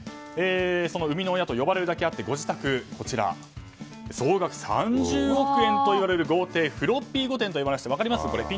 その生みの親と呼ばれるだけありご自宅は総額３０億円と呼ばれる豪邸フロッピー御殿といわれまして分かります？